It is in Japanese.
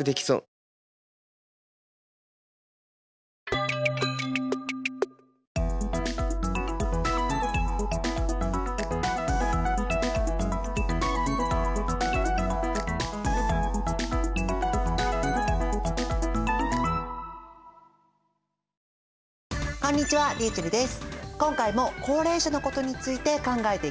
今回も高齢者のことについて考えていきますよ。